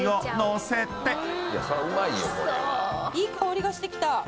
いい香りがしてきた。